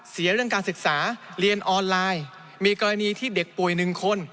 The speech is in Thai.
เรื่องการศึกษาเรียนออนไลน์มีกรณีที่เด็กป่วยหนึ่งคน